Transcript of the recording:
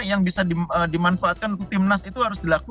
yang bisa dimanfaatkan untuk timnas itu harus dilakukan